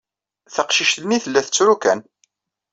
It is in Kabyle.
Taqcict-nni tella tettru kan.